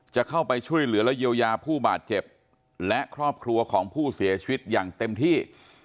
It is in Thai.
จะเข้าไปช่วยเหลือและเยียวยาผู้บาดเจ็บและครอบครัวของผู้เสียชีวิตอย่างเต็มที่